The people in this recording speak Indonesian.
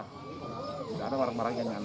tidak ada barang barangnya